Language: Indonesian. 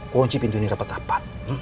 kunci pintu ini rapat rapat